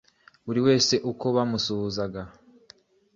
Buri wese uko bamusuhuzaga,